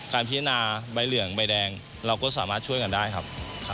การพิจารณาใบเหลืองใบแดงเราก็สามารถช่วยกันได้ครับ